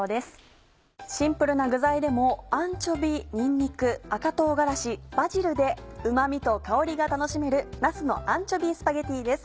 シンプルな具材でもアンチョビーにんにく赤唐辛子バジルでうま味と香りが楽しめる「なすのアンチョビースパゲティ」です。